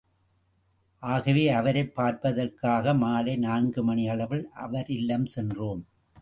ஆகவே அவரைப் பார்ப்பதற்காக மாலை நான்கு மணி அளவில் அவர் இல்லம் சென்றோம்.